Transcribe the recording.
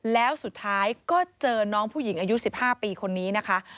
แล้วสุดท้ายก็เจอน้องผู้หญิงอายุ๑๕ปีคนนี้นะคะ